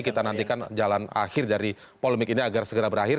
kita nantikan jalan akhir dari polemik ini agar segera berakhir